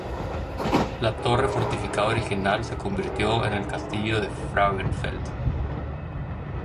La torre fortificada original se convirtió en el castillo de Frauenfeld.